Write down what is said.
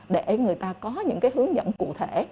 để người ta có những hướng dẫn cụ thể